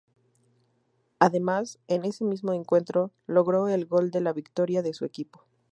Además, en ese mismo encuentro logró el gol de la victoria de su equipo.